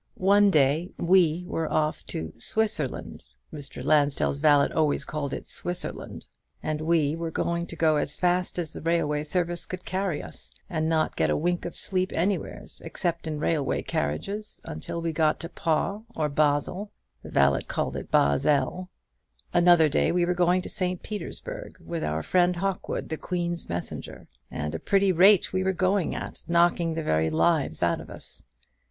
One day "we" were off to Swisserland Mr. Lansdell's valet always called it Swisserland and we were to go as fast as the railway service could carry us, and not get a wink of sleep anywheres, except in railway carriages, until we got to Paw or Bas el the valet called it Bas el. Another day we were going to St. Petersburg, with our friend Hawkwood, the Queen's messenger; and a pretty rate we were going at, knocking the very lives out of us.